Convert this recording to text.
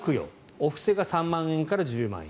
お布施が３万円から１０万円。